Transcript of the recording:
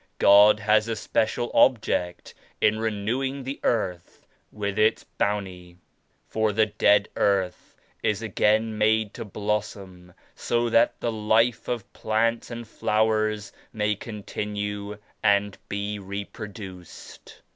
God has a special object in renewing the earth with its bounty. For the dead earth is again made to blossom so that the life of plants and flowers may continue and be reproduced.